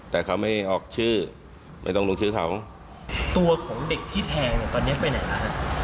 แต่เขาไม่ออกชื่อไม่ต้องลงชื่อเขาตัวของเด็กที่แทงเนี่ยตอนเนี้ยไปไหนแล้วฮะ